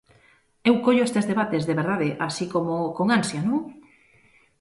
Eu collo estes debates, de verdade, así como con ansia, ¿non?